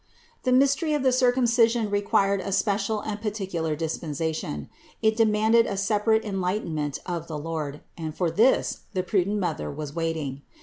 516. The mystery of the Circumcision required a special and particular dispensation; it demanded a sep arate enlightenment of the Lord, and for this the pru dent Mother was waiting.